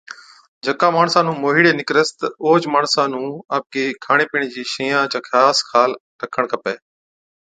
جڪا ماڻسا نُُون موهِيڙي نِڪرس تہ اوهچ ماڻسا نُون آپڪي کاڻي پِيڻي چي شئِيان چا خاص خيال ڪرڻ کپَي،